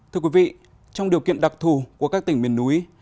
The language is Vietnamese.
thưa quý vị trong điều kiện đặc thù của các tỉnh miền núi